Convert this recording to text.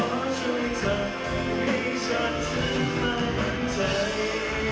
ขอช่วยเธอให้ฉันชื่อมันใจ